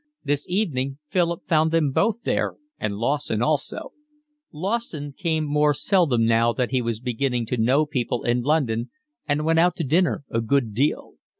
This evening Philip found them both there, and Lawson also; Lawson came more seldom now that he was beginning to know people in London and went out to dinner a good deal.